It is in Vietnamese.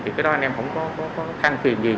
thì cái đó anh em không có thanh thiền gì